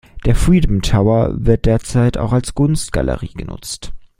Der Freedom Tower wird derzeit auch als Kunstgalerie genutzt.